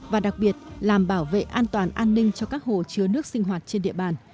và đặc biệt làm bảo vệ an toàn an ninh cho các hồ chứa nước sinh hoạt trên địa bàn